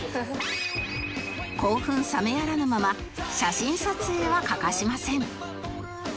興奮冷めやらぬまま写真撮影は欠かしません